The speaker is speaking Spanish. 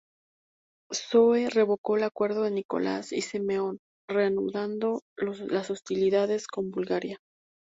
Zoe revocó el acuerdo de Nicolás y Simeón, reanudando las hostilidades con Bulgaria.